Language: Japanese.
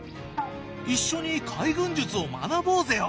一緒に海軍術を学ぼうぜよ！